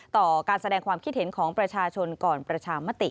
ต่อการแสดงความคิดเห็นของประชาชนก่อนประชามติ